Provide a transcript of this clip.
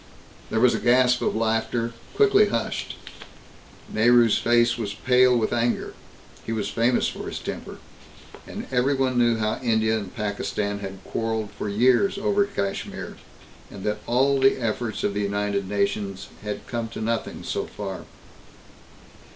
There was a gasp of laughter, quickly hushed. Nehru's face was pale with anger; he was famous for his temper. And everyone knew how India and Pakistan had quarreled for years over Kashmir, and that all the efforts of the United Nations had come to nothing so far.